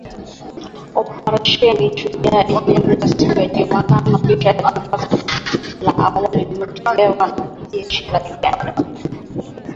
Oparesheni Shujaa iliongezwa siku ya Jumatano licha ya tangazo la awali lililotolewa na jeshi la Uganda